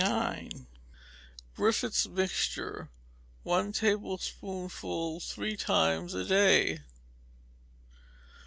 Griffiths' mixture one tablespoonful three times a day.